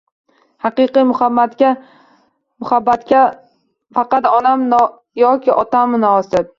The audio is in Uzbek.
Haqiqiy muhabbatga faqat onam yokiotam munosib.